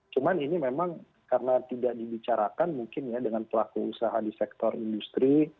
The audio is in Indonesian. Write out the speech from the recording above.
cuma ini memang karena tidak dibicarakan mungkin ya dengan pelaku usaha di sektor industri